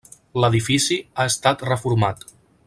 L'edifici ha estat reformat.